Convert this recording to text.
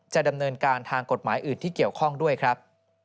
จะดำเนินการทางกฎหมายอื่นที่เกี่ยวข้องด้วยครับ